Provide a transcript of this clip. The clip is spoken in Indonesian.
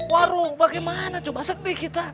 warung bagaimana coba sedih kita